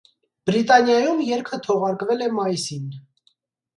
Բրիտանիայում երգը թողարկվել է մայիսում։